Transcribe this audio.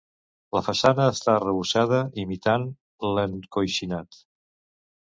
La façana està arrebossada imitant l'encoixinat.